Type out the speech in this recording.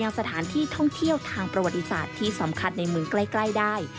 สถานที่ท่องเที่ยวทางประวัติศาสตร์ที่สำคัญในเมืองใกล้ได้